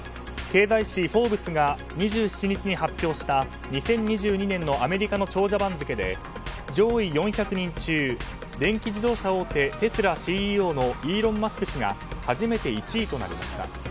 経済誌フォーブスが２７日に発表した２０２２年のアメリカの長者番付で上位４００人中電気自動車大手テスラＣＥＯのイーロン・マスク氏が初めて１位となりました。